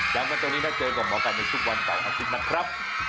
อยากมาตอนนี้ได้เจอกับหมอกัยในทุกวันต่างอาทิตย์นะครับ